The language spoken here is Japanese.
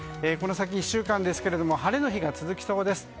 この先１週間ですけども晴れの日が続きそうです。